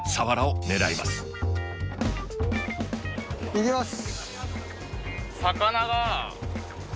いきます！